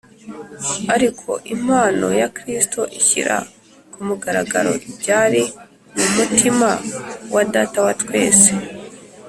. Ariko impano ya Kristo ishyira ku mugaragaro ibyari mu mutima wa Data wa twese